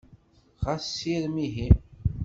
Xas sirem ihi!